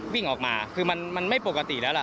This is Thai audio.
วิ่งออกมาคือมันไม่ปกติแล้วล่ะ